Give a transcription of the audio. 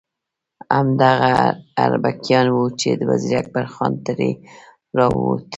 همدغه اربکیان وو چې وزیر اکبر خان ترې راووت.